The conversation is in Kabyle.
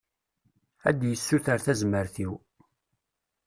Ad d-yessuter tazmert-iw.